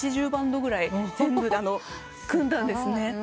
バンドぐらい全部で組んだんですね。